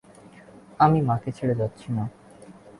আমি মাকে ছেড়ে যাচ্ছি না।